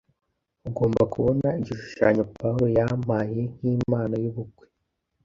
Ugomba kubona igishushanyo Pawulo yampaye nkimpano yubukwe